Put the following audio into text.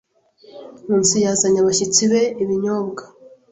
Nkusi yazanye abashyitsi be ibinyobwa.